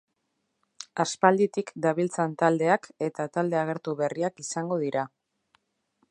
Aspalditik dabiltzan taldeak eta talde agertu berriak izango dira.